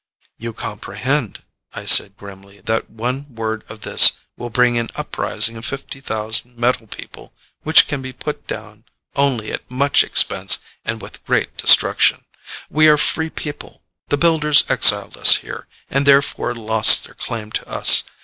"You comprehend," I said grimly, "that one word of this will bring an uprising of fifty thousand metal people which can be put down only at much expense and with great destruction. We are free people. The Builders exiled us here, and therefore lost their claim to us.